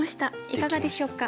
いかがでしょうか？